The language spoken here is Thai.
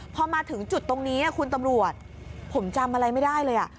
พอมาถึงจุดตรงนี้คุณตำรวจผมจำอะไรไม่ได้เลย